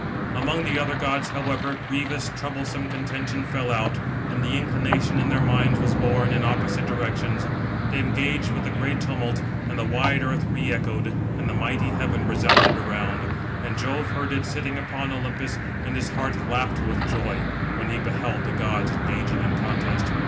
Among the other gods, however, grievous, troublesome contention fell out, and the inclination in their minds was borne in opposite directions. They engaged with a great tumult, and the wide earth re echoed, and the mighty heaven resounded around. And Jove heard it, sitting upon Olympus, and his heart laughed with joy, when he beheld the gods engaging in contest.